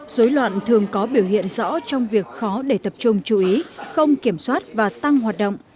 dối loạn thường có biểu hiện rõ trong việc khó để tập trung chú ý không kiểm soát và tăng hoạt động